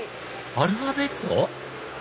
アルファベット？